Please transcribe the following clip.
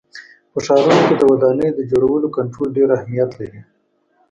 په ښارونو کې د ودانیو د جوړولو کنټرول ډېر اهمیت لري.